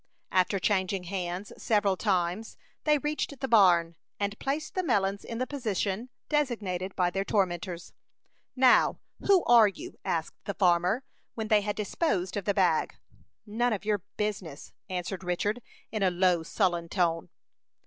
After changing hands several times, they reached the barn, and placed the melons in the position designated by their tormentors. "Now, who are you?" asked the farmer, when they had disposed of the bag. "None of your business," answered Richard, in a low, sullen tone.